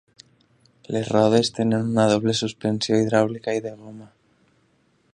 Les rodes tenen una doble suspensió hidràulica i de goma.